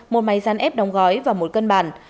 một máy gian ép đóng gói và một cân bản